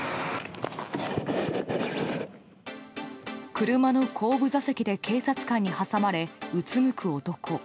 車の後部座席で警察官に挟まれうつむく男。